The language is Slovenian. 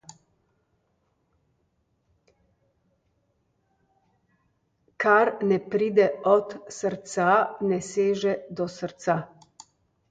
Kar ne pride od srca, ne seže do srca.